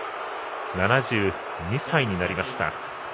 ７２歳になりました。